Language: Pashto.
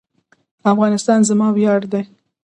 افغانستان زما ویاړ دی